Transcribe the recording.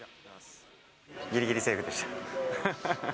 ぎりぎりセーフでした。